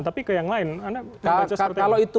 tapi ke yang lain kalau itu